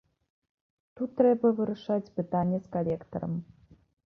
Тут трэба вырашаць пытанне з калектарам.